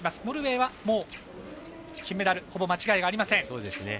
ノルウェーは金メダルほぼ間違いありません。